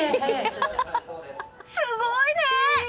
すごいね！